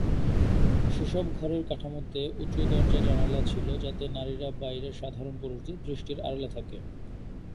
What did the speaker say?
সেসব ঘরের কাঠামোতে উচু দরজা জানালা ছিল, যাতে নারীরা বাইরের সাধারণ পুরুষদের দৃষ্টির আড়ালে থাকে।